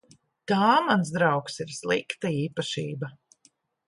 Tā, mans draugs, ir slikta īpašība.